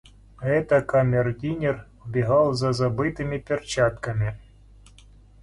Это камердинер вбегал за забытыми перчатками.